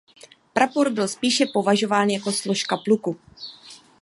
Prapor byl spíše považován jako složka pluku.